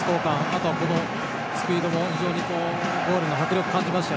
あとはスピードも非常にゴールへの迫力を感じました。